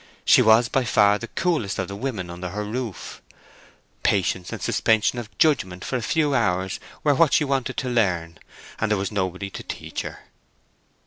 She was by far the coolest of the women under her roof. Patience and suspension of judgement for a few hours were what she wanted to learn, and there was nobody to teach her.